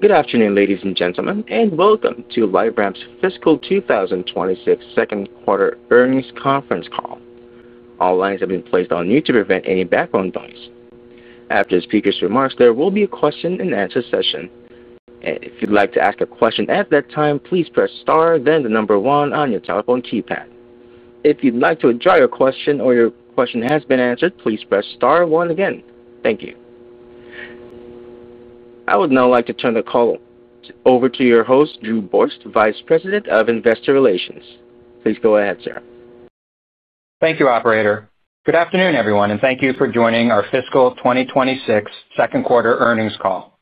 Good afternoon, ladies and gentlemen, and welcome to LiveRamp's fiscal 2026 second quarter earnings conference call. All lines have been placed on mute to prevent any background noise. After the speaker's remarks, there will be a question-and-answer session. If you'd like to ask a question at that time, please press star, then the number one on your telephone keypad. If you'd like to withdraw your question or your question has been answered, please press star, one again. Thank you. I would now like to turn the call over to your host, Drew Borst, Vice President of Investor Relations. Please go ahead, sir. Thank you, operator. Good afternoon, everyone, and thank you for joining our fiscal 2026 second quarter earnings call.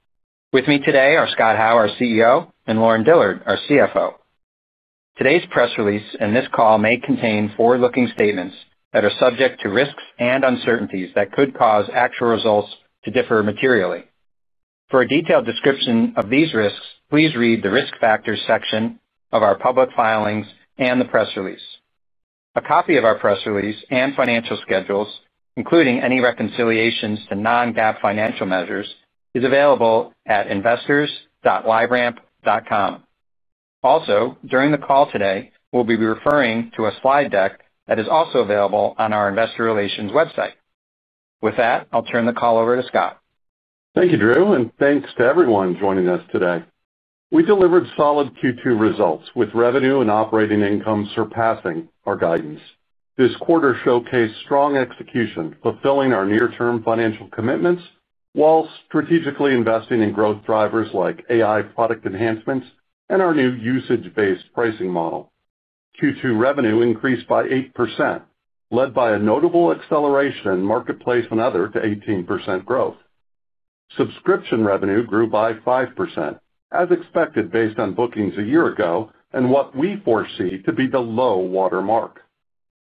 With me today are Scott Howe, our CEO, and Lauren Dillard, our CFO. Today's press release and this call may contain forward-looking statements that are subject to risks and uncertainties that could cause actual results to differ materially. For a detailed description of these risks, please read the risk factors section of our public filings and the press release. A copy of our press release and financial schedules, including any reconciliations to non-GAAP financial measures, is available at investors.liveramp.com. Also, during the call today, we'll be referring to a slide deck that is also available on our investor relations website. With that, I'll turn the call over to Scott. Thank you, Drew, and thanks to everyone joining us today. We delivered solid Q2 results with revenue and operating income surpassing our guidance. This quarter showcased strong execution, fulfilling our near-term financial commitments while strategically investing in growth drivers like AI product enhancements and our new usage-based pricing model. Q2 revenue increased by 8%, led by a notable acceleration in marketplace and other to 18% growth. Subscription revenue grew by 5%, as expected based on bookings a year ago and what we foresee to be the low watermark.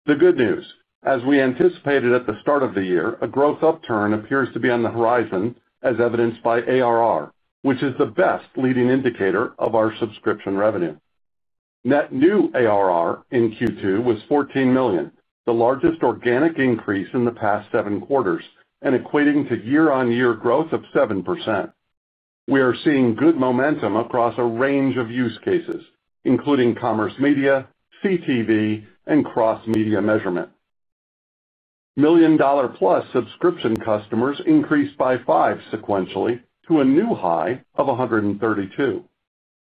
The good news, as we anticipated at the start of the year, a growth upturn appears to be on the horizon, as evidenced by ARR, which is the best leading indicator of our subscription revenue. Net new ARR in Q2 was $14 million, the largest organic increase in the past seven quarters and equating to year-on-year growth of 7%. We are seeing good momentum across a range of use cases, including Commerce Media, CTV, and Cross-Media Measurement. Million-dollar-plus subscription customers increased by five sequentially to a new high of 132.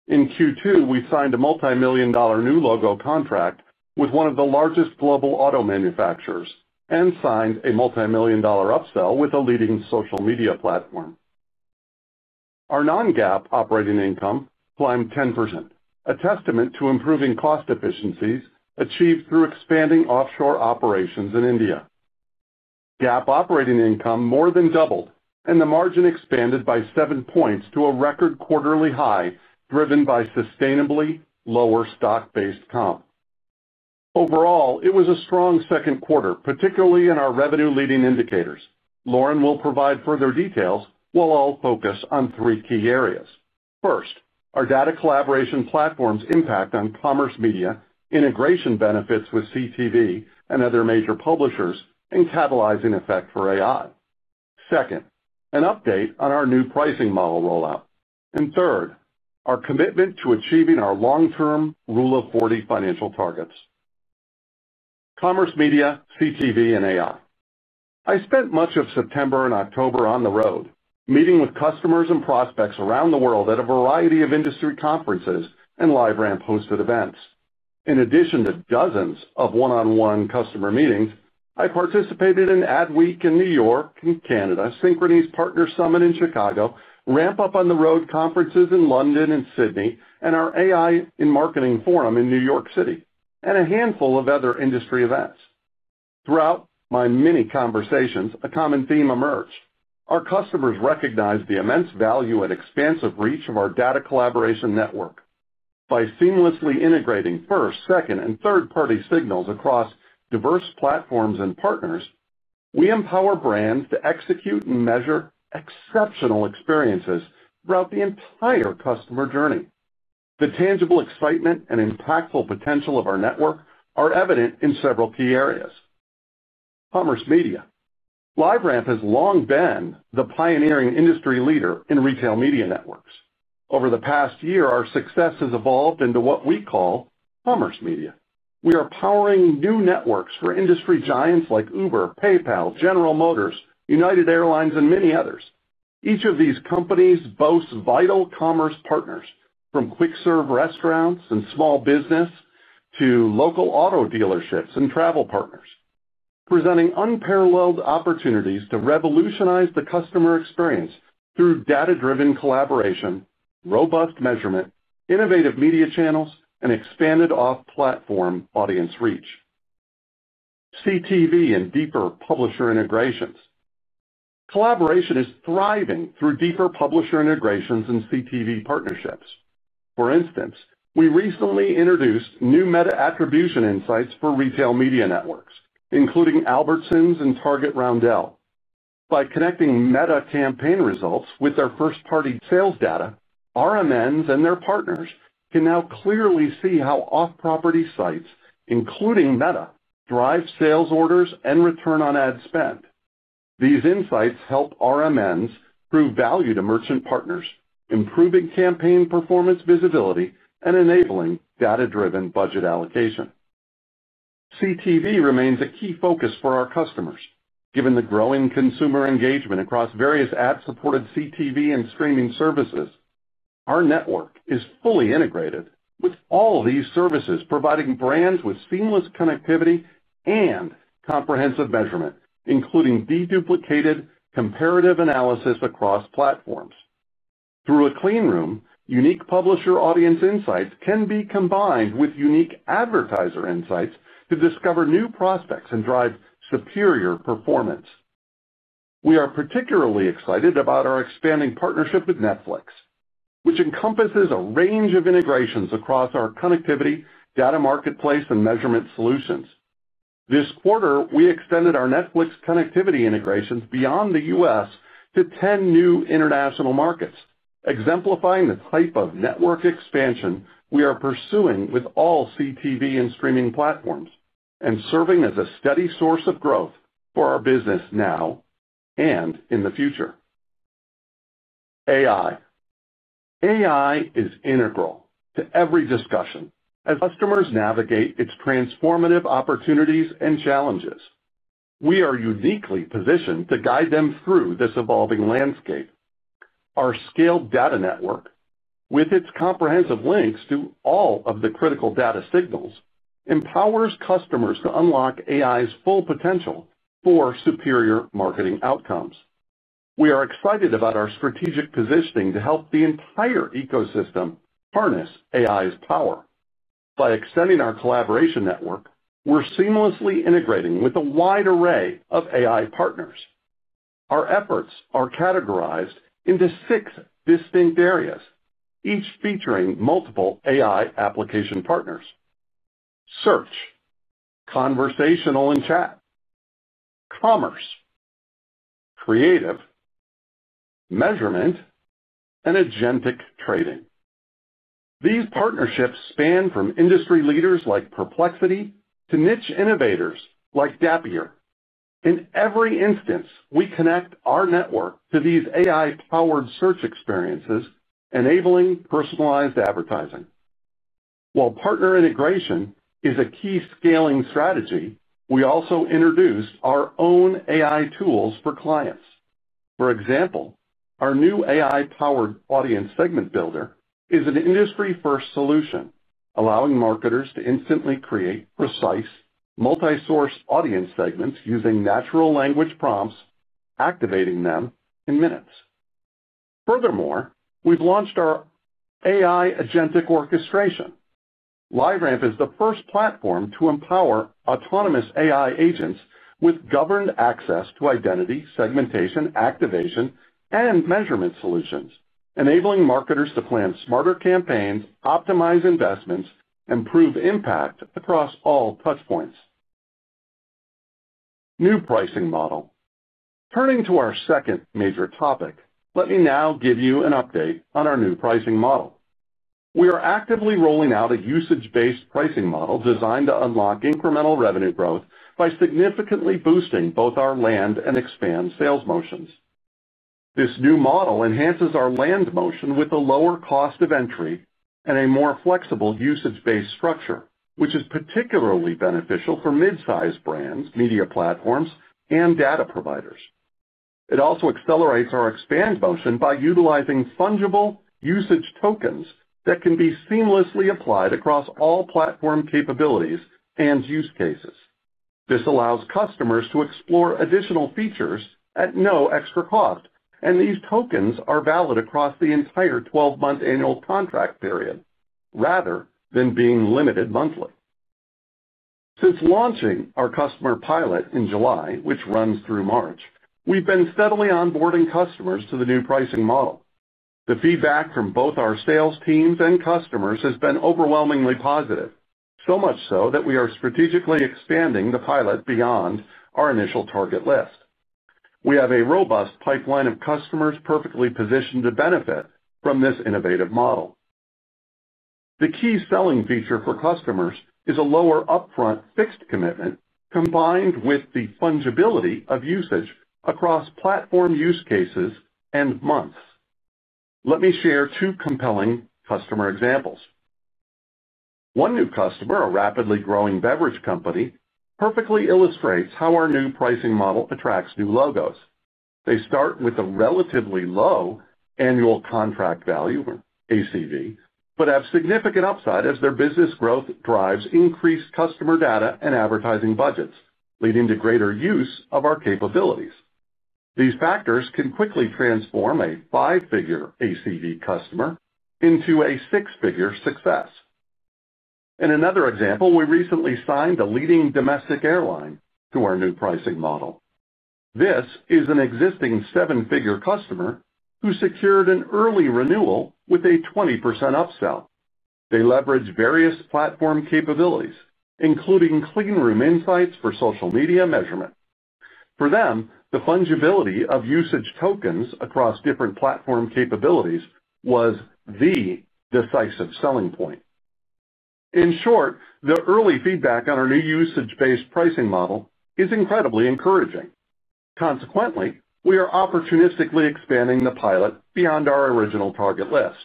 In Q2, we signed a multi-million-dollar new logo contract with one of the largest global auto manufacturers and signed a multi-million-dollar upsell with a leading social media platform. Our non-GAAP operating income climbed 10%, a testament to improving cost efficiencies achieved through expanding offshore operations in India. GAAP operating income more than doubled, and the margin expanded by seven points to a record quarterly high driven by sustainably lower stock-based comp. Overall, it was a strong second quarter, particularly in our revenue-leading indicators. Lauren will provide further details while I'll focus on three key areas. First, our data collaboration platform's impact on commerce media integration benefits with CTV and other major publishers and catalyzing effect for AI. Second, an update on our new pricing model rollout. Third, our commitment to achieving our long-term Rule of 40 financial targets. Commerce Media, CTV, and AI. I spent much of September and October on the road, meeting with customers and prospects around the world at a variety of industry conferences and LiveRamp-hosted events. In addition to dozens of one-on-one customer meetings, I participated in Ad Week in New York and Canada, Synchrony's Partner Summit in Chicago, Ramp Up on the Road conferences in London and Sydney, our AI in Marketing forum in New York City, and a handful of other industry events. Throughout my many conversations, a common theme emerged. Our customers recognize the immense value and expansive reach of our data collaboration network. By seamlessly integrating first, second, and third-party signals across diverse platforms and partners, we empower brands to execute and measure exceptional experiences throughout the entire customer journey. The tangible excitement and impactful potential of our network are evident in several key areas. Commerce Media. LiveRamp has long been the pioneering industry leader in Retail Media Networks. Over the past year, our success has evolved into what we call Commerce Media. We are powering new networks for industry giants like Uber, PayPal, General Motors, United Airlines, and many others. Each of these companies boasts vital commerce partners, from quick-serve restaurants and small business to local auto dealerships and travel partners, presenting unparalleled opportunities to revolutionize the customer experience through data-driven collaboration, robust measurement, innovative media channels, and expanded off-platform audience reach. CTV and deeper publisher integrations. Collaboration is thriving through deeper publisher integrations and CTV partnerships. For instance, we recently introduced new Meta-attribution insights for retail media networks, including Albertsons and Target Roundel. By connecting Meta campaign results with their first-party sales data, RMNs and their partners can now clearly see how off-property sites, including Meta, drive sales orders and return on ad spend. These insights help RMNs prove value to merchant partners, improving campaign performance visibility and enabling data-driven budget allocation. CTV remains a key focus for our customers. Given the growing consumer engagement across various ad-supported CTV and streaming services, our network is fully integrated with all these services, providing brands with seamless connectivity and comprehensive measurement, including deduplicated comparative analysis across platforms. Through a Clean Room, unique publisher audience insights can be combined with unique advertiser insights to discover new prospects and drive superior performance. We are particularly excited about our expanding partnership with Netflix, which encompasses a range of integrations across our connectivity, Data Marketplace, and measurement solutions. This quarter, we extended our Netflix connectivity integrations beyond the U.S. to 10 new international markets, exemplifying the type of network expansion we are pursuing with all CTV and streaming platforms and serving as a steady source of growth for our business now and in the future. AI is integral to every discussion as customers navigate its transformative opportunities and challenges. We are uniquely positioned to guide them through this evolving landscape. Our scaled data network, with its comprehensive links to all of the critical data signals, empowers customers to unlock AI's full potential for superior marketing outcomes. We are excited about our strategic positioning to help the entire ecosystem harness AI's power. By extending our collaboration network, we're seamlessly integrating with a wide array of AI partners. Our efforts are categorized into six distinct areas, each featuring multiple AI application partners. Search. Conversational and Chat. Commerce. Creative, measurement and Agentic Trading. These partnerships span from industry leaders like Perplexity to niche innovators like Dappier. In every instance, we connect our network to these AI-powered search experiences, enabling personalized advertising. While partner integration is a key scaling strategy, we also introduced our own AI tools for clients. For example, our new AI-powered audience segment builder is an industry-first solution, allowing marketers to instantly create precise, multi-source audience segments using natural language prompts, activating them in minutes. Furthermore, we've launched our AI agentic orchestration. LiveRamp is the first platform to empower Autonomous AI agents with governed access to identity segmentation, activation, and measurement solutions, enabling marketers to plan smarter campaigns, optimize investments, and prove impact across all touchpoints. New pricing model. Turning to our second major topic, let me now give you an update on our new pricing model. We are actively rolling out a usage-based pricing model designed to unlock incremental revenue growth by significantly boosting both our land and expand sales motions. This new model enhances our land motion with a lower cost of entry and a more flexible usage-based structure, which is particularly beneficial for mid-size brands, media platforms, and data providers. It also accelerates our expand motion by utilizing fungible usage tokens that can be seamlessly applied across all platform capabilities and use cases. This allows customers to explore additional features at no extra cost, and these tokens are valid across the entire 12-month annual contract period, rather than being limited monthly. Since launching our customer pilot in July, which runs through March, we've been steadily onboarding customers to the new pricing model. The feedback from both our sales teams and customers has been overwhelmingly positive, so much so that we are strategically expanding the pilot beyond our initial target list. We have a robust pipeline of customers perfectly positioned to benefit from this innovative model. The key selling feature for customers is a lower upfront fixed commitment combined with the fungibility of usage across platform use cases and months. Let me share two compelling customer examples. One new customer, a rapidly growing beverage company, perfectly illustrates how our new pricing model attracts new logos. They start with a relatively low Annual Contract Value, ACV, but have significant upside as their business growth drives increased customer data and advertising budgets, leading to greater use of our capabilities. These factors can quickly transform a five-figure ACV customer into a six-figure success. In another example, we recently signed a leading domestic airline to our new pricing model. This is an existing seven-figure customer who secured an early renewal with a 20% upsell. They leverage various platform capabilities, including Clean Room insights for social media measurement. For them, the fungibility of usage tokens across different platform capabilities was the decisive selling point. In short, the early feedback on our new usage-based pricing model is incredibly encouraging. Consequently, we are opportunistically expanding the pilot beyond our original target list.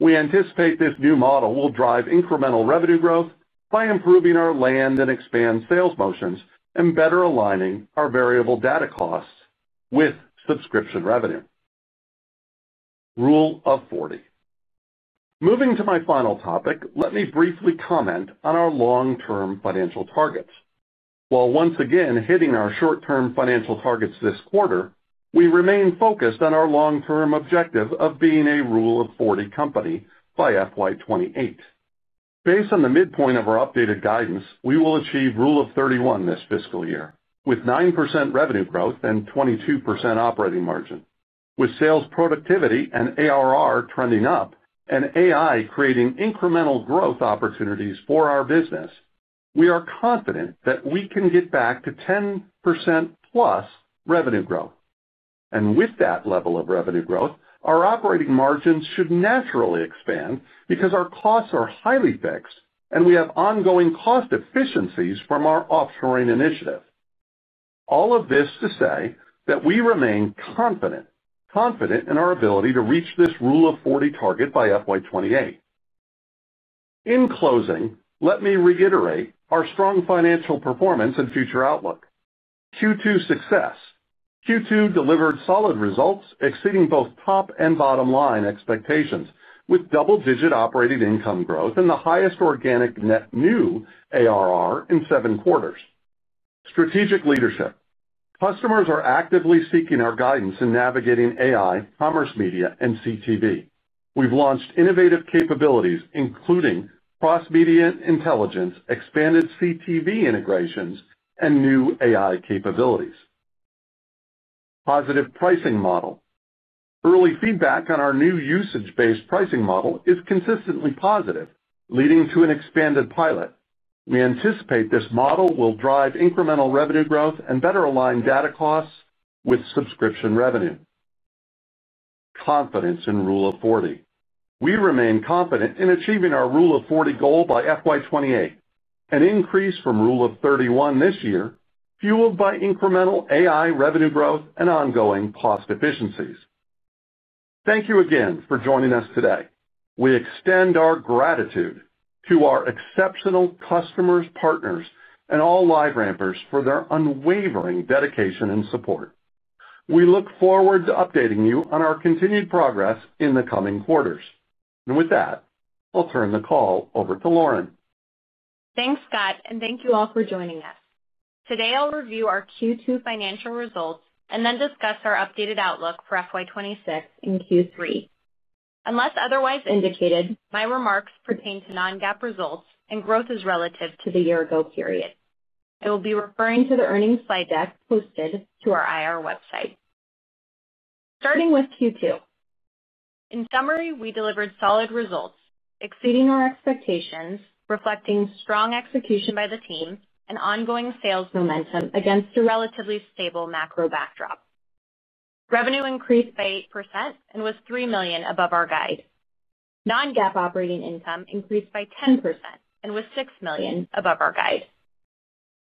We anticipate this new model will drive incremental revenue growth by improving our land and expand sales motions and better aligning our variable data costs with subscription revenue. Rule of 40. Moving to my final topic, let me briefly comment on our long-term financial targets. While once again hitting our short-term financial targets this quarter, we remain focused on our long-term objective of being a Rule of 40 company by FY 2028. Based on the midpoint of our updated guidance, we will achieve Rule of 31 this fiscal year with 9% revenue growth and 22% operating margin. With sales productivity and ARR trending up and AI creating incremental growth opportunities for our business, we are confident that we can get back to 10%+ revenue growth. With that level of revenue growth, our operating margins should naturally expand because our costs are highly fixed and we have ongoing cost efficiencies from our offshoring initiative. All of this to say that we remain confident, confident in our ability to reach this Rule of 40 target by FY 2028. In closing, let me reiterate our strong financial performance and future outlook. Q2 success. Q2 delivered solid results exceeding both top and bottom line expectations with double-digit operating income growth and the highest organic net new ARR in seven quarters. Strategic leadership. Customers are actively seeking our guidance in navigating AI, Commerce Media, and CTV. We have launched innovative capabilities including Cross-Media Intelligence, expanded CTV integrations, and new AI capabilities. Positive pricing model. Early feedback on our new Usage-Based Pricing Model is consistently positive, leading to an expanded pilot. We anticipate this model will drive incremental revenue growth and better align data costs with subscription revenue. Confidence in Rule of 40. We remain confident in achieving our Rule of 40 goal by FY 2028, an increase from Rule of 31 this year, fueled by incremental AI revenue growth and ongoing cost efficiencies. Thank you again for joining us today. We extend our gratitude to our exceptional customers, partners, and all LiveRampers for their unwavering dedication and support. We look forward to updating you on our continued progress in the coming quarters. With that, I'll turn the call over to Lauren. Thanks, Scott, and thank you all for joining us. Today, I'll review our Q2 financial results and then discuss our updated outlook for FY 2026 and Q3. Unless otherwise indicated, my remarks pertain to non-GAAP results and growth is relative to the year-ago period. I will be referring to the earnings slide deck posted to our IR website. Starting with Q2. In summary, we delivered solid results, exceeding our expectations, reflecting strong execution by the team and ongoing sales momentum against a relatively stable macro backdrop. Revenue increased by 8% and was $3 million above our guide. Non-GAAP operating income increased by 10% and was $6 million above our guide.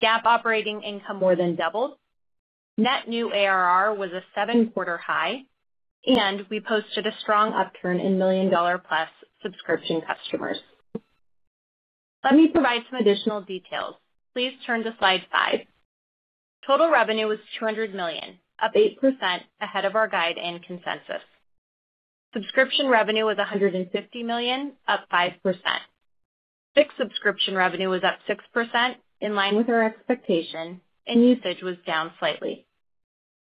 GAAP operating income more than doubled. Net new ARR was a seven-quarter high. We posted a strong upturn in million-dollar-plus subscription customers. Let me provide some additional details. Please turn to slide 5. Total revenue was $200 million, up 8% ahead of our guide and consensus. Subscription revenue was $150 million, up 5%. Fixed subscription revenue was up 6% in line with our expectation, and usage was down slightly.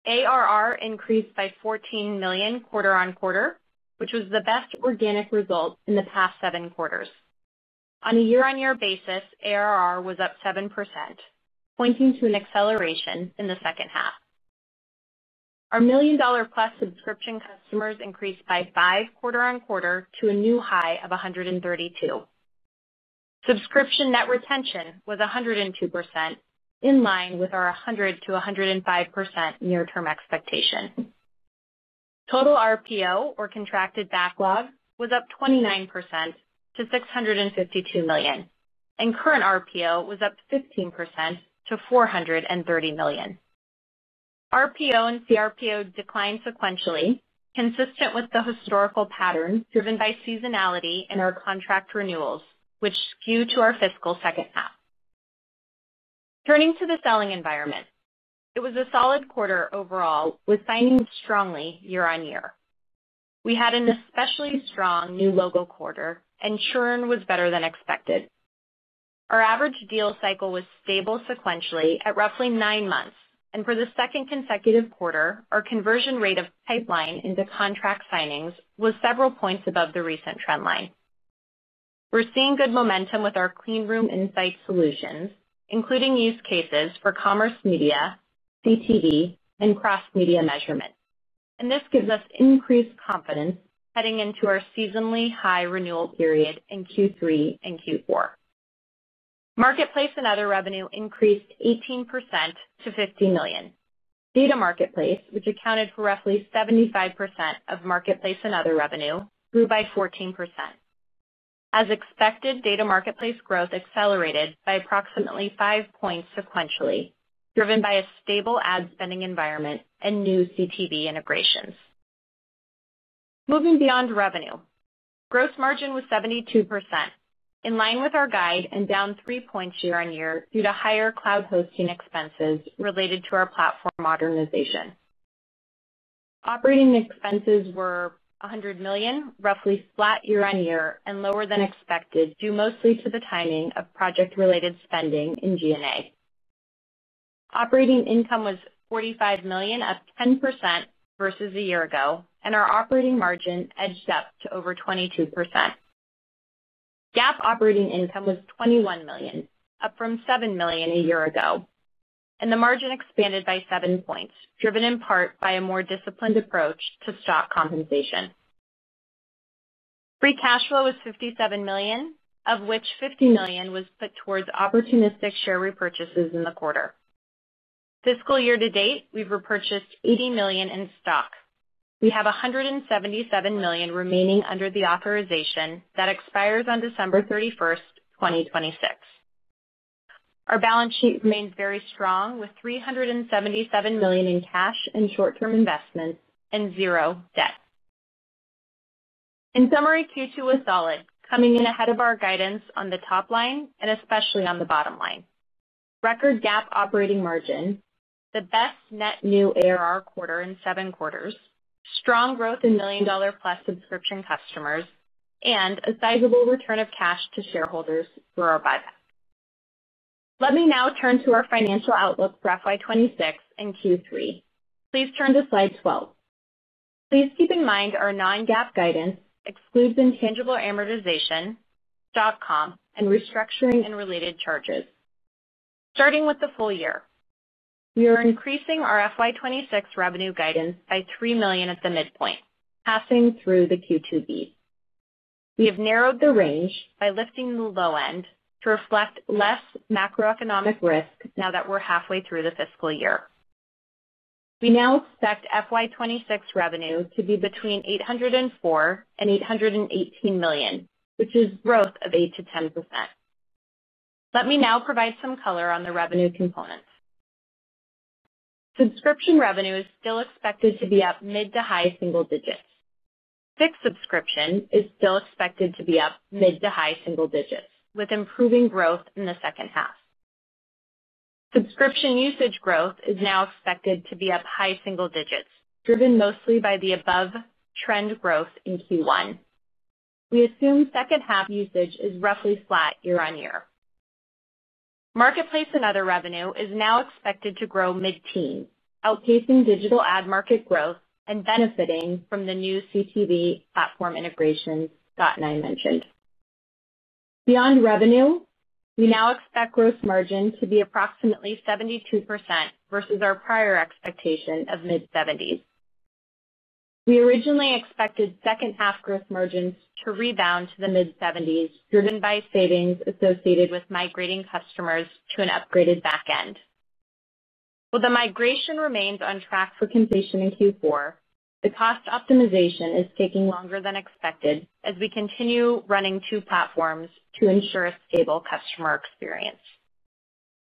ARR increased by $14 million quarter-on-quarter, which was the best organic result in the past seven quarters. On a year-on-year basis, ARR was up 7%, pointing to an acceleration in the second half. Our million-dollar-plus subscription customers increased by five quarter-on-quarter to a new high of 132. Subscription net retention was 102%, in line with our 100%-105% near-term expectation. Total RPO, or contracted backlog, was up 29% to $652 million, and current RPO was up 15% to $430 million. RPO and CRPO declined sequentially, consistent with the historical pattern driven by seasonality in our contract renewals, which skew to our fiscal second half. Turning to the selling environment, it was a solid quarter overall, with signings strongly year-on-year. We had an especially strong new logo quarter, and churn was better than expected. Our average deal cycle was stable sequentially at roughly nine months, and for the second consecutive quarter, our conversion rate of pipeline into contract signings was several points above the recent trend line. We're seeing good momentum with our Clean Room Insights solutions, including use cases for Commerce Media, CTV, and Cross-Media Measurement. This gives us increased confidence heading into our seasonally high renewal period in Q3 and Q4. Marketplace and other revenue increased 18% to $50 million. Data Marketplace, which accounted for roughly 75% of Marketplace and other revenue, grew by 14%. As expected, Data Marketplace growth accelerated by approximately five points sequentially, driven by a stable ad spending environment and new CTV integrations. Moving beyond revenue, gross margin was 72%, in line with our guide and down three points year-on-year due to higher cloud hosting expenses related to our platform modernization. Operating expenses were $100 million, roughly flat year-on-year and lower than expected, due mostly to the timing of project-related spending in G&A. Operating income was $45 million, up 10% versus a year ago, and our operating margin edged up to over 22%. GAAP operating income was $21 million, up from $7 million a year ago, and the margin expanded by seven points, driven in part by a more disciplined approach to stock compensation. Free cash flow was $57 million, of which $50 million was put towards opportunistic share repurchases in the quarter. Fiscal year-to-date, we've repurchased $80 million in stock. We have $177 million remaining under the authorization that expires on December 31st, 2026. Our balance sheet remains very strong, with $377 million in cash and short-term investments and zero debt. In summary, Q2 was solid, coming in ahead of our guidance on the top line and especially on the bottom line. Record GAAP operating margin, the best net new ARR quarter in seven quarters, strong growth in million-dollar-plus subscription customers, and a sizable return of cash to shareholders for our buyback. Let me now turn to our financial outlook for FY 2026 and Q3. Please turn to slide 12. Please keep in mind our non-GAAP guidance excludes intangible amortization, stock comp, and restructuring and related charges. Starting with the full year, we are increasing our FY 2026 revenue guidance by $3 million at the midpoint, passing through the Q2B. We have narrowed the range by lifting the low-end to reflect less macroeconomic risk now that we're halfway through the fiscal year. We now expect FY 2026 revenue to be between $804 million-$818 million, which is growth of 8%-10%. Let me now provide some color on the revenue components. Subscription revenue is still expected to be up mid to high single digits. Fixed subscription is still expected to be up mid to high single digits, with improving growth in the second half. Subscription usage growth is now expected to be up high single digits, driven mostly by the above trend growth in Q1. We assume second-half usage is roughly flat year-on-year. Marketplace and other revenue is now expected to grow mid-teen, outpacing digital ad market growth and benefiting from the new CTV platform integrations Scott and I mentioned. Beyond revenue, we now expect gross margin to be approximately 72% versus our prior expectation of mid-70%s. We originally expected second-half gross margins to rebound to the mid-70%s, driven by savings associated with migrating customers to an upgraded back-end. While the migration remains on track for completion in Q4, the cost optimization is taking longer than expected as we continue running two platforms to ensure a stable customer experience.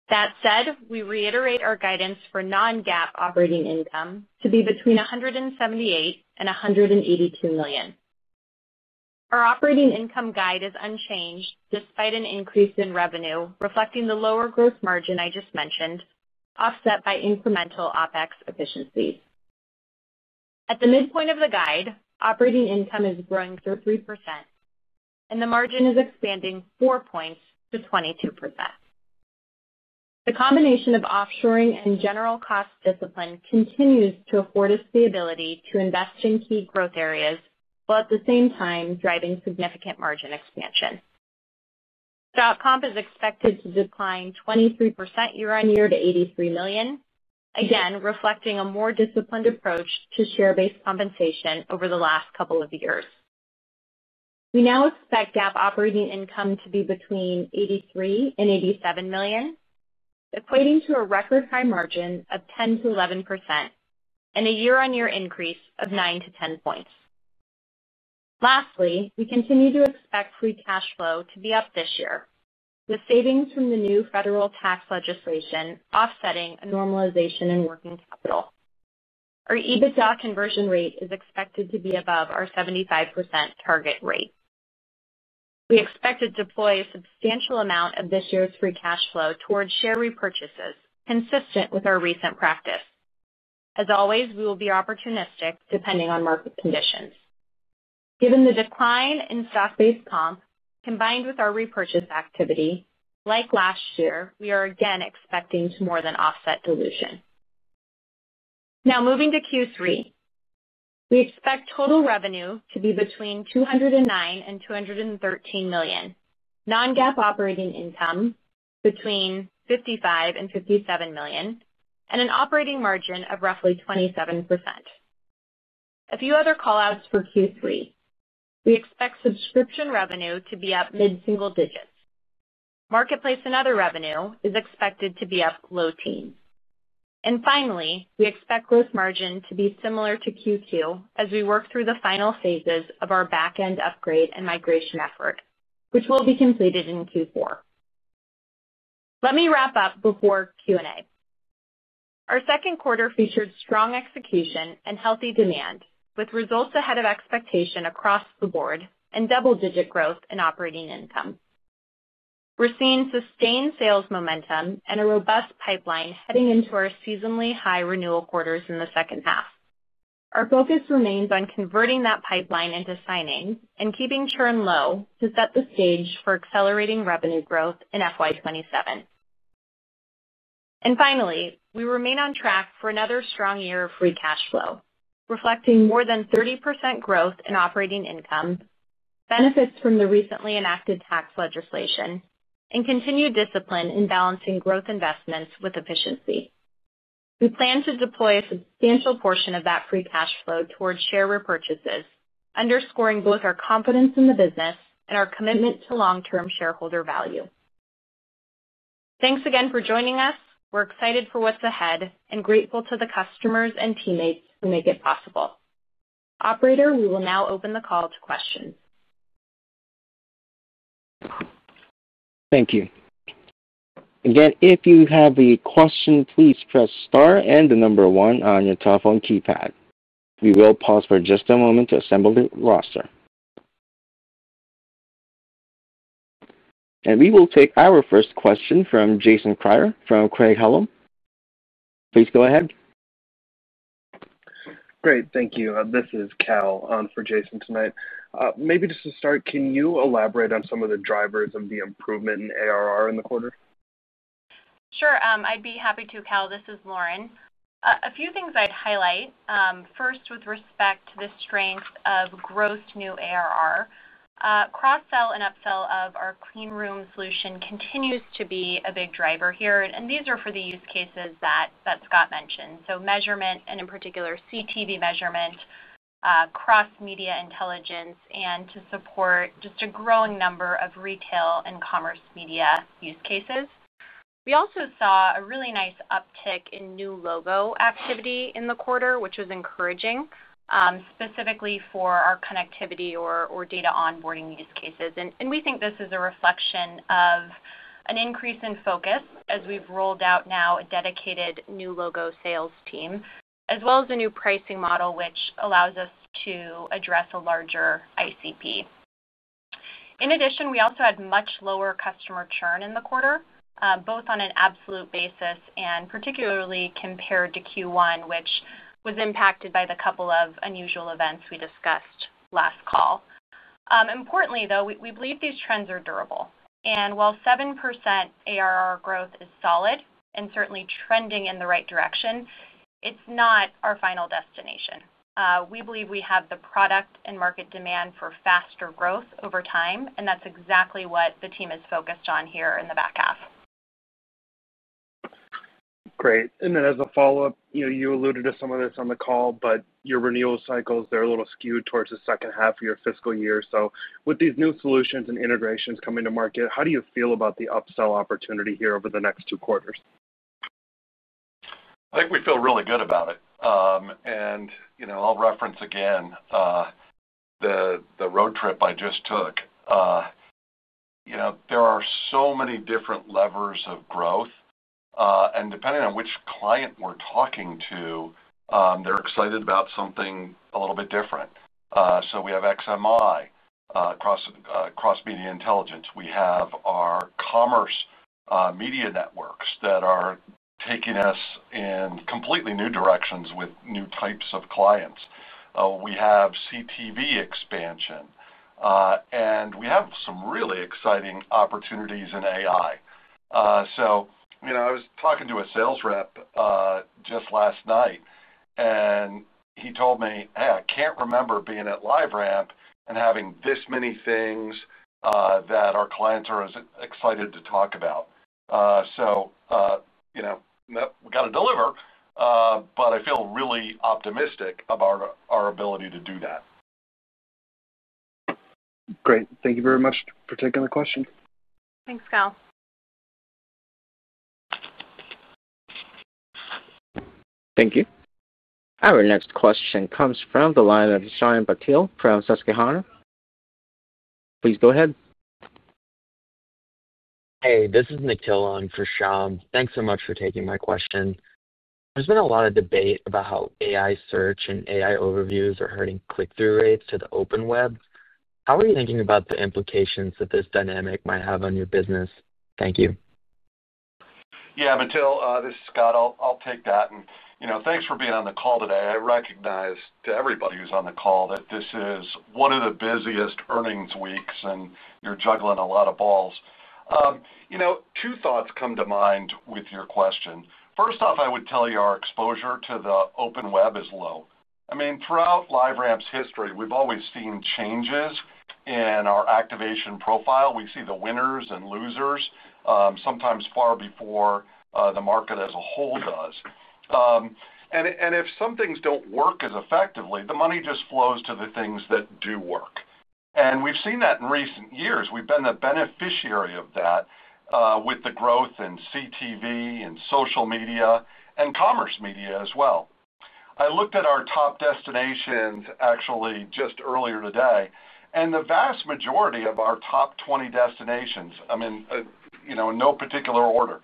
That said, we reiterate our guidance for non-GAAP operating income to be between $178 million and $182 million. Our operating income guide is unchanged despite an increase in revenue, reflecting the lower gross margin I just mentioned, offset by incremental OpEx efficiencies. At the midpoint of the guide, operating income is growing through 3%. The margin is expanding four points to 22%. The combination of offshoring and general cost discipline continues to afford us the ability to invest in key growth areas, while at the same time driving significant margin expansion. Stock comp is expected to decline 23% year-on-year to $83 million, again reflecting a more disciplined approach to share-based compensation over the last couple of years. We now expect GAAP operating income to be between $83 million and $87 million, equating to a record high margin of 10%-11%. A year-on-year increase of nine to 10 points. Lastly, we continue to expect free cash flow to be up this year, with savings from the new federal tax legislation offsetting a normalization in working capital. Our EBITDA conversion rate is expected to be above our 75% target rate. We expect to deploy a substantial amount of this year's free cash flow towards share repurchases, consistent with our recent practice. As always, we will be opportunistic depending on market conditions. Given the decline in stock-based comp, combined with our repurchase activity, like last year, we are again expecting to more than offset dilution. Now moving to Q3. We expect total revenue to be between $209 million and $213 million, non-GAAP operating income between $55 million and $57 million, and an operating margin of roughly 27%. A few other callouts for Q3. We expect subscription revenue to be up mid-single digits. Marketplace and other revenue is expected to be up low teens. Finally, we expect gross margin to be similar to Q2 as we work through the final phases of our back-end upgrade and migration effort, which will be completed in Q4. Let me wrap up before Q&A. Our second quarter featured strong execution and healthy demand, with results ahead of expectation across the Board and double-digit growth in operating income. We are seeing sustained sales momentum and a robust pipeline heading into our seasonally high renewal quarters in the second half. Our focus remains on converting that pipeline into signings and keeping churn low to set the stage for accelerating revenue growth in FY 2027. Finally, we remain on track for another strong year of free cash flow, reflecting more than 30% growth in operating income, benefits from the recently enacted tax legislation, and continued discipline in balancing growth investments with efficiency. We plan to deploy a substantial portion of that free cash flow towards share repurchases, underscoring both our confidence in the business and our commitment to long-term shareholder value. Thanks again for joining us. We're excited for what's ahead and grateful to the customers and teammates who make it possible. Operator, we will now open the call to questions. Thank you. Again, if you have a question, please press star and the number one on your telephone keypad. We will pause for just a moment to assemble the roster. We will take our first question from Jason Kreyer from Craig-Hallum. Please go ahead. Great. Thank you. This is Cal for Jason tonight. Maybe just to start, can you elaborate on some of the drivers of the improvement in ARR in the quarter? Sure. I'd be happy to, Cal. This is Lauren. A few things I'd highlight. First, with respect to the strength of gross new ARR. Cross-sell and upsell of our Clean Room solution continues to be a big driver here, and these are for the use cases that Scott mentioned. Measurement, and in particular, CTV measurement. Cross-Media Intelligence, and to support just a growing number of Retail and Commerce Media use cases. We also saw a really nice uptick in new logo activity in the quarter, which was encouraging. Specifically for our connectivity or data onboarding use cases. We think this is a reflection of an increase in focus as we've rolled out now a dedicated new logo sales team, as well as a new pricing model, which allows us to address a larger ICP. In addition, we also had much lower customer churn in the quarter, both on an absolute basis and particularly compared to Q1, which was impacted by the couple of unusual events we discussed last call. Importantly, though, we believe these trends are durable. While 7% ARR growth is solid and certainly trending in the right direction, it's not our final destination. We believe we have the product and market demand for faster growth over time, and that's exactly what the team is focused on here in the back-half. Great. As a follow-up, you alluded to some of this on the call, but your renewal cycles, they're a little skewed towards the second half of your fiscal year. With these new solutions and integrations coming to market, how do you feel about the upsell opportunity here over the next two quarters? I think we feel really good about it. I'll reference again the road trip I just took. There are so many different levers of growth, and depending on which client we're talking to, they're excited about something a little bit different. We have XMI, Cross Media Intelligence. We have our Commerce Media Networks that are taking us in completely new directions with new types of clients. We have CTV expansion, and we have some really exciting opportunities in AI. I was talking to a sales rep just last night. He told me, "Hey, I can't remember being at LiveRamp and having this many things that our clients are as excited to talk about." We got to deliver, but I feel really optimistic about our ability to do that. Great. Thank you very much for taking the question. Thanks, Cal. Thank you. Our next question comes from the line of Shyam Patil from Susquehanna. Please go ahead. Hey, this is Nikhil in for Shaym. Thanks so much for taking my question. There's been a lot of debate about how AI search and AI overviews are hurting click-through rates to the open web. How are you thinking about the implications that this dynamic might have on your business? Thank you. Yeah, Nikhil, this is Scott. I'll take that. Thanks for being on the call today. I recognize to everybody who's on the call that this is one of the busiest earnings weeks, and you're juggling a lot of balls. Two thoughts come to mind with your question. First off, I would tell you our exposure to the open web is low. I mean, throughout LiveRamp's history, we've always seen changes in our activation profile. We see the winners and losers sometimes far before the market as a whole does. If some things do not work as effectively, the money just flows to the things that do work. We've seen that in recent years. We've been the beneficiary of that, with the growth in CTV and Social Media and Commerce Media as well. I looked at our top destinations actually just earlier today, and the vast majority of our top 20 destinations, I mean, in no particular order.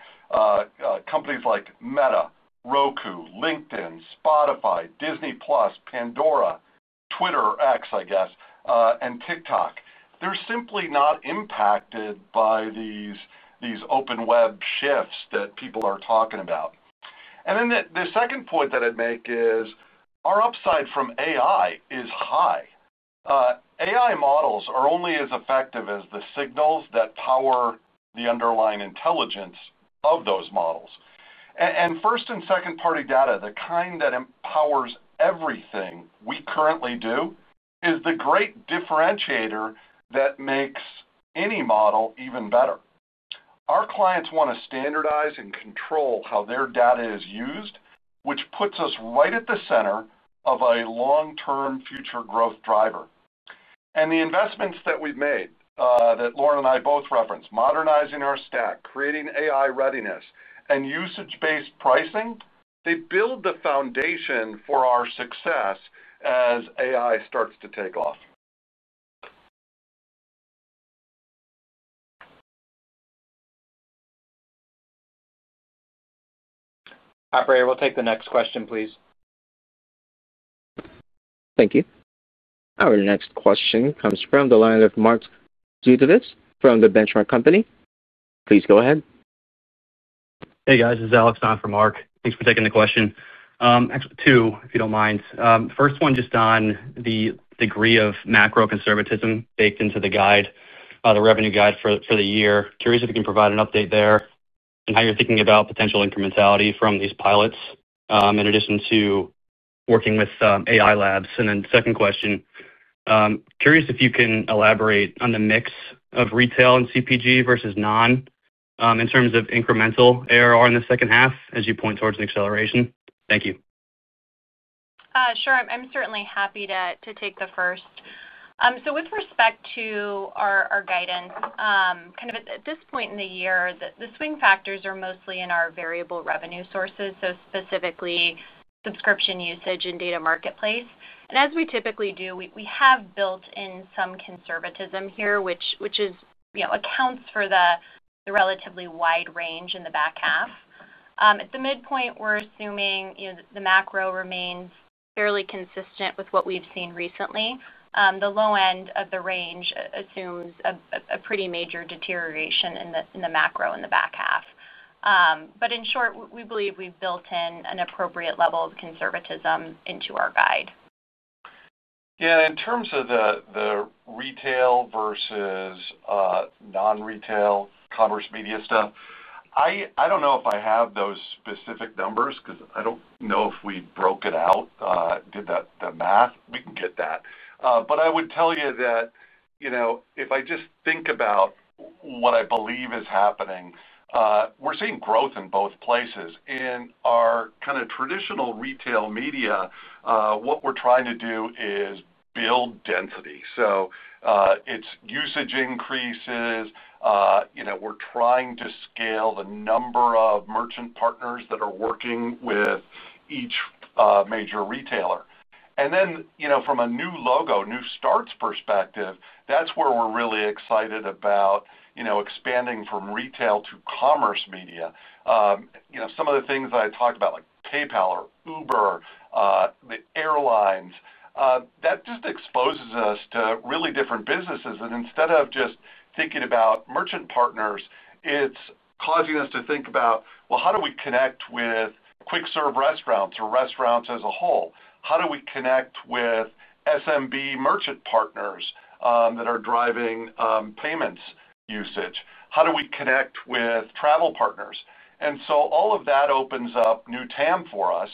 Companies like Meta, Roku, LinkedIn, Spotify, Disney+, Pandora, X, I guess, and TikTok, they're simply not impacted by these open web shifts that people are talking about. The second point that I'd make is our upside from AI is high. AI models are only as effective as the signals that power the underlying intelligence of those models. First and second-party data, the kind that empowers everything we currently do, is the great differentiator that makes any model even better. Our clients want to standardize and control how their data is used, which puts us right at the center of a long-term future growth driver. The investments that we've made that Lauren and I both referenced, modernizing our stack, creating AI readiness, and usage-based pricing, they build the foundation for our success as AI starts to take off. We'll take the next question, please. Thank you. Our next question comes from the line of Mark Zgutowicz from The Benchmark Company. Please go ahead. Hey, guys. This is Alex on from Mark. Thanks for taking the question. Actually, two, if you do not mind. First one, just on the degree of macro-conservatism baked into the guide, the revenue guide for the year. Curious if you can provide an update there and how you are thinking about potential incrementality from these pilots in addition to working with AI labs. And then second question. Curious if you can elaborate on the mix of retail and CPG versus non in terms of incremental ARR in the second half as you point towards an acceleration. Thank you. Sure. I am certainly happy to take the first. So with respect to our guidance, kind of at this point in the year, the swing factors are mostly in our variable revenue sources, so specifically subscription usage and Data Marketplace. As we typically do, we have built in some conservatism here, which accounts for the relatively wide range in the back half. At the midpoint, we're assuming the macro remains fairly consistent with what we've seen recently. The low-end of the range assumes a pretty major deterioration in the macro in the back half. In short, we believe we've built in an appropriate level of conservatism into our guide. Yeah. In terms of the retail versus non-retail commerce media stuff, I do not know if I have those specific numbers because I do not know if we broke it out, did the math. We can get that. I would tell you that if I just think about. What I believe is happening, we're seeing growth in both places. In our kind of traditional retail media, what we're trying to do is build density. As usage increases, we're trying to scale the number of merchant partners that are working with each major retailer. From a new logo, new starts perspective, that's where we're really excited about expanding from Retail to Commerce Media. Some of the things that I talked about, like PayPal or Uber, the airlines, that just exposes us to really different businesses. Instead of just thinking about merchant partners, it's causing us to think about, well, how do we connect with quick-serve restaurants or restaurants as a whole? How do we connect with SMB merchant partners that are driving payments usage? How do we connect with travel partners? All of that opens up new TAM for us.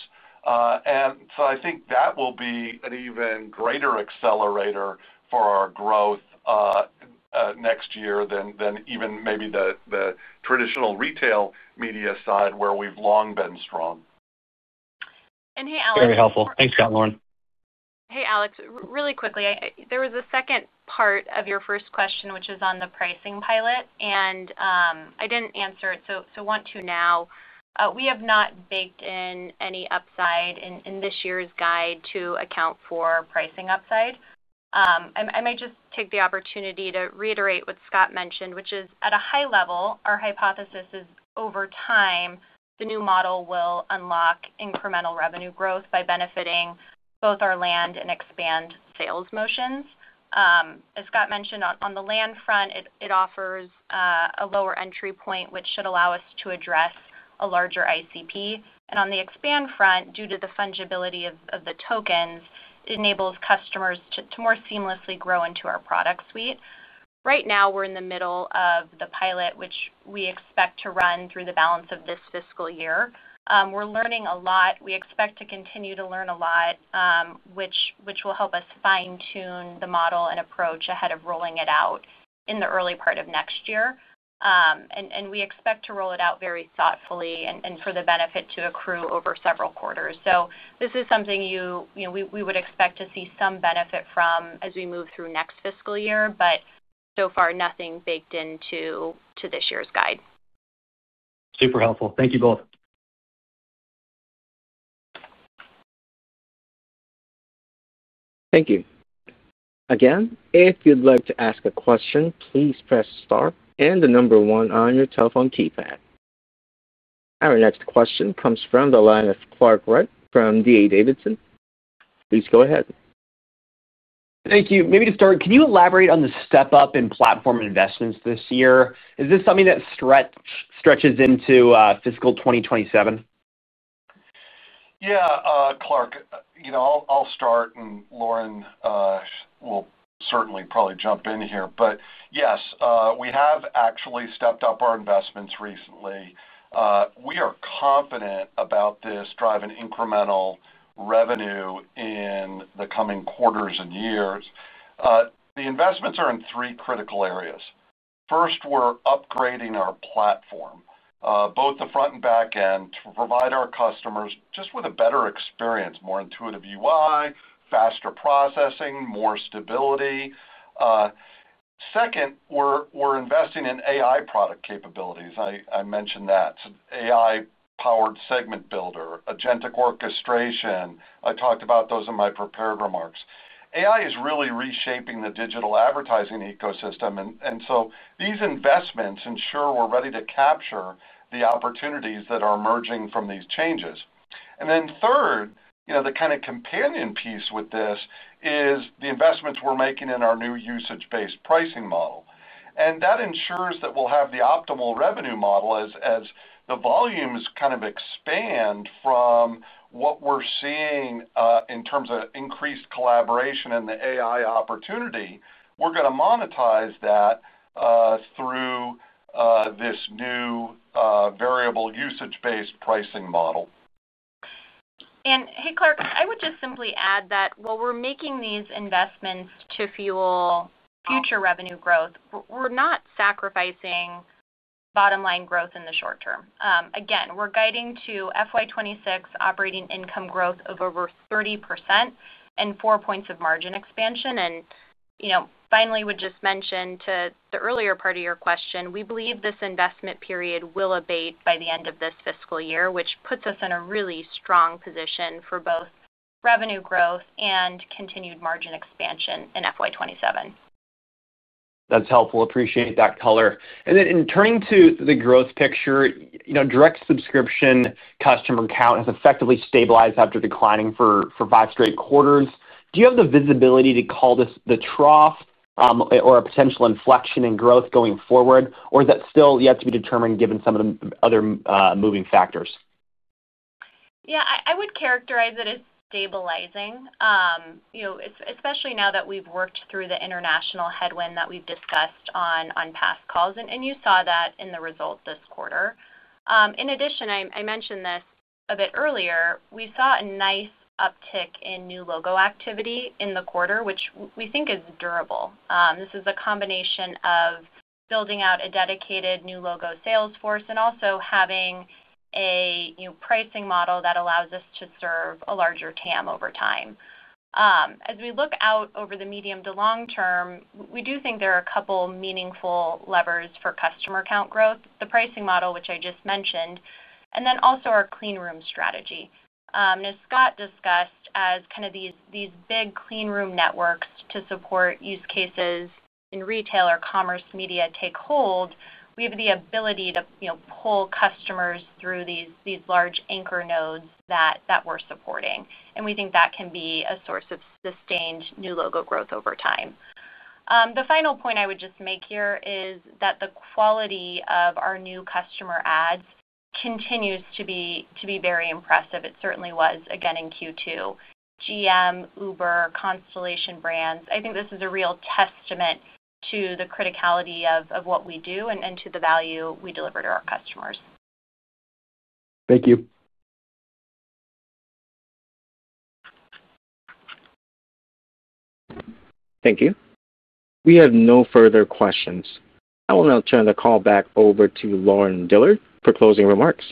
I think that will be an even greater accelerator for our growth next year than even maybe the traditional retail media side where we've long been strong. Hey, Alex. Very helpful. Thanks, Scott, Lauren. Hey, Alex. Really quickly, there was a second part of your first question, which is on the pricing pilot, and I didn't answer it, so want to now. We have not baked in any upside in this year's guide to account for pricing upside. I might just take the opportunity to reiterate what Scott mentioned, which is at a high level, our hypothesis is over time, the new model will unlock incremental revenue growth by benefiting both our land and expand sales motions. As Scott mentioned, on the land front, it offers a lower entry point, which should allow us to address a larger ICP. On the expand front, due to the fungibility of the tokens, it enables customers to more seamlessly grow into our product suite. Right now, we're in the middle of the pilot, which we expect to run through the balance of this fiscal year. We're learning a lot. We expect to continue to learn a lot, which will help us fine-tune the model and approach ahead of rolling it out in the early part of next year. We expect to roll it out very thoughtfully and for the benefit to accrue over several quarters. This is something we would expect to see some benefit from as we move through next fiscal year, but so far, nothing baked into this year's guide. Super helpful. Thank you both. Thank you. Again, if you'd like to ask a question, please press star and the number one on your telephone keypad. Our next question comes from the line of Clark Wright from D.A. Davidson. Please go ahead. Thank you. Maybe to start, can you elaborate on the step-up in platform investments this year? Is this something that stretches into fiscal 2027? Yeah, Clark, I'll start, and Lauren will certainly probably jump in here. Yes, we have actually stepped up our investments recently. We are confident about this driving incremental revenue in the coming quarters and years. The investments are in three critical areas. First, we're upgrading our platform, both the front and back-end, to provide our customers just with a better experience, more intuitive UI, faster processing, more stability. Second, we're investing in AI product capabilities. I mentioned that. AI-powered segment builder, agentic orchestration. I talked about those in my prepared remarks. AI is really reshaping the digital advertising ecosystem. These investments ensure we're ready to capture the opportunities that are emerging from these changes. Third, the kind of companion piece with this is the investments we're making in our new usage-based pricing model. That ensures that we'll have the optimal revenue model as the volumes expand from what we're seeing in terms of increased collaboration and the AI opportunity. We're going to monetize that through this new variable usage-based pricing model. Hey, Clark, I would just simply add that while we're making these investments to fuel future revenue growth, we're not sacrificing bottom-line growth in the short-term. Again, we're guiding to FY 2026 operating income growth of over 30% and four points of margin expansion. Finally, we just mentioned to the earlier part of your question, we believe this investment period will abate by the end of this fiscal year, which puts us in a really strong position for both revenue growth and continued margin expansion in FY 2027. That's helpful. Appreciate that color. In turning to the growth picture, direct subscription. Customer count has effectively stabilized after declining for five straight quarters. Do you have the visibility to call this the trough or a potential inflection in growth going forward, or is that still yet to be determined given some of the other moving factors? Yeah, I would characterize it as stabilizing. Especially now that we've worked through the international headwind that we've discussed on past calls. You saw that in the result this quarter. In addition, I mentioned this a bit earlier, we saw a nice uptick in new logo activity in the quarter, which we think is durable. This is a combination of building out a dedicated new logo sales force and also having a pricing model that allows us to serve a larger TAM over time. As we look out over the medium to long-term, we do think there are a couple of meaningful levers for customer account growth, the pricing model, which I just mentioned, and then also our Clean Room strategy. As Scott discussed, as kind of these big Clean Room networks to support use cases in Retail or Commerce Media take hold, we have the ability to pull customers through these large anchor nodes that we're supporting. We think that can be a source of sustained new logo growth over time. The final point I would just make here is that the quality of our new customer ads continues to be very impressive. It certainly was, again, in Q2. GM, Uber, Constellation Brands, I think this is a real testament to the criticality of what we do and to the value we deliver to our customers. Thank you. We have no further questions. I will now turn the call back over to Lauren Dillard for closing remarks.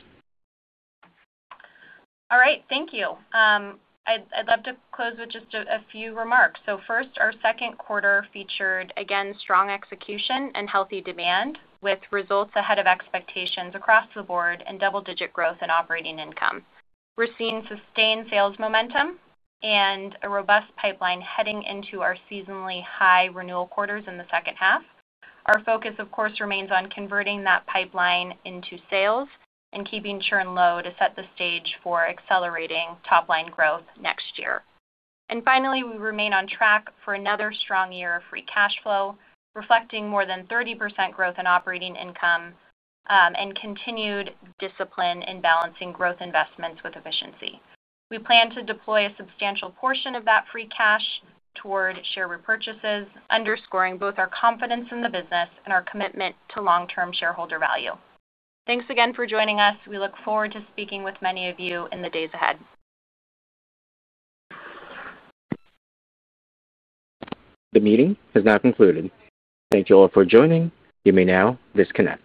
All right. Thank you. I'd love to close with just a few remarks. First, our second quarter featured, again, strong execution and healthy demand with results ahead of expectations across the Board and double-digit growth in operating income. We're seeing sustained sales momentum and a robust pipeline heading into our seasonally high renewal quarters in the second half. Our focus, of course, remains on converting that pipeline into sales and keeping churn low to set the stage for accelerating top-line growth next year. Finally, we remain on track for another strong year of free cash flow, reflecting more than 30% growth in operating income and continued discipline in balancing growth investments with efficiency. We plan to deploy a substantial portion of that free cash toward share repurchases, underscoring both our confidence in the business and our commitment to long-term shareholder value. Thanks again for joining us. We look forward to speaking with many of you in the days ahead. The meeting has now concluded. Thank you all for joining. You may now disconnect.